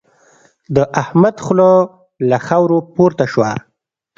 د احمد خوله له خاورو پورته شوه.